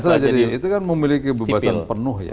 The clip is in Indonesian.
setelah jadi itu kan memiliki kebebasan penuh ya